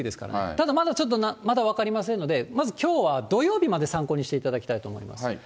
ただまだちょっと、まだ分かりませんので、まずきょうは、土曜日まで参考にしていただきたいと思います。